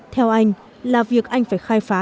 theo anh là việc anh phải khai phá